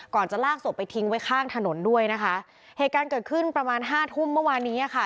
จะลากศพไปทิ้งไว้ข้างถนนด้วยนะคะเหตุการณ์เกิดขึ้นประมาณห้าทุ่มเมื่อวานนี้อ่ะค่ะ